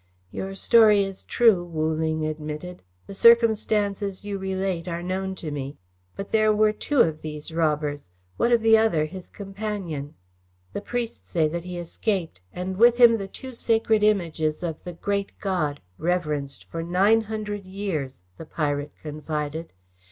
"Your story is true," Wu Ling admitted. "The circumstances you relate are known to me. But there were two of these robbers. What of the other, his companion?" "The priests say that he escaped, and with him the two sacred Images of the great God, reverenced for nine hundred years," the pirate confided.